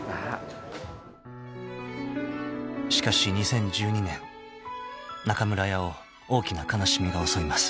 ［しかし］［中村屋を大きな悲しみが襲います］